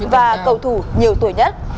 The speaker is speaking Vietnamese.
và cầu thủ nhiều tuổi nhất